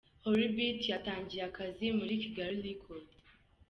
HollyBeat yatangiye akazi muri Kigali Record.